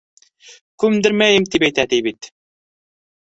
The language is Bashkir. — Күмдермәйем тип әйтә, ти, бит.